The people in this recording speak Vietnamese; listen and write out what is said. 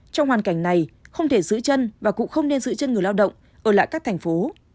trong hoàn cảnh này không thể giữ chân và cũng không nên giữ chân người lao động ở lại các thành phố